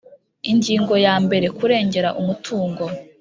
Ingingo ya mbere Kurengera umutungo